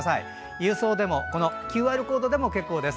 郵送でもＱＲコードでも結構です。